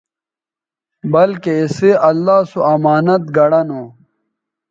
بلکہ اِسئ اللہ سو امانت گنڑہ نو